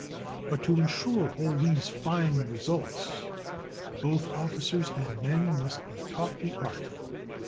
But to insure all these fine results, both officers and men must be taught the art.